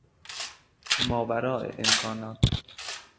ماوراء امکانات ما